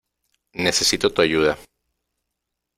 Necesito tu ayuda .